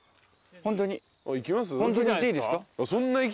ホントに行っていいですか？